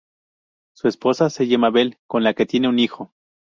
Su esposa se llama Bel con la que tiene un hijo.